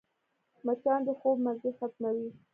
مچان د خوب مزه ختموي